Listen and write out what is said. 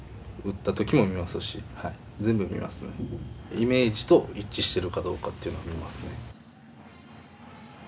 イメージと一致しているかどうかというのは見ますね。